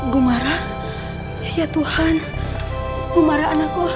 gua marah ya tuhan gua marah anak gua